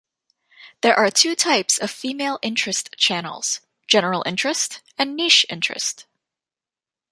There are two types of female interest channels: "general interest" and "niche interest".